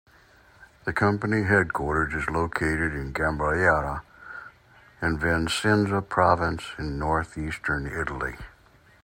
The company's headquarters are located in Gambellara in Vicenza province in northeastern Italy.